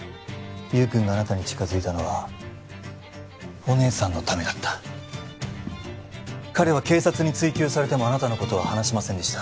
優君があなたに近づいたのはお姉さんのためだった彼は警察に追及されてもあなたのことは話しませんでした